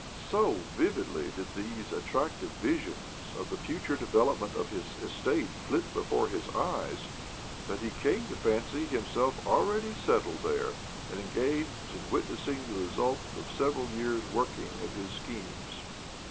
So vividly did these attractive visions of the future development of his estate flit before his eyes that he came to fancy himself already settled there, and engaged in wit nessing the result of several years' working of his schemes.